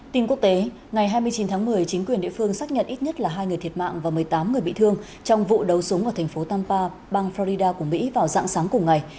tin quốc tế ngày hai mươi chín tháng một mươi chính quyền địa phương xác nhận ít nhất là hai người thiệt mạng và một mươi tám người bị thương trong vụ đấu súng ở thành phố tampa bang florida của mỹ vào dạng sáng cùng ngày